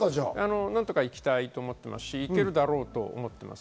何とか行きたいと思ってますし、行けるだろうと思っています。